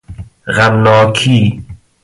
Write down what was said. غمناکی